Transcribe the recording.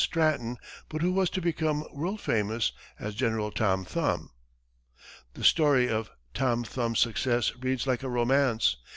Stratton, but who was to become world famous as General Tom Thumb. The story of Tom Thumb's success reads like a romance.